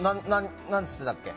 何て言ってたっけ？